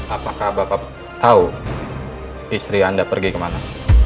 apakah bapak tahu istri anda pergi kemana